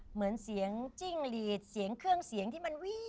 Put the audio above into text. เหมือนเสียงจิ้งหลีดเสียงเครื่องเสียงที่มันวิ่ง